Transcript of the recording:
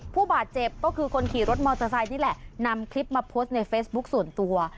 ผู้บาดเจ็บก็คือคนขี่รถมอเตอร์ไซค์นี่แหละนำคลิปมาโพสต์ในเฟซบุ๊คส่วนตัว